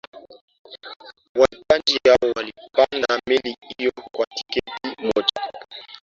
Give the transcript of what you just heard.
wahitaji hao walipanda meli hiyo kwa tiketi moja